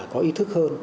có ý thức hơn